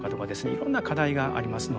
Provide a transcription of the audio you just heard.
いろんな課題がありますので。